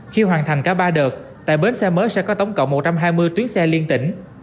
khi hoàn thành cả ba đợt tại bến xe mới sẽ có tổng cộng một trăm hai mươi tuyến xe liên tỉnh